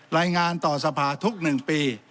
รายงานต่อสภาทุก๑ปี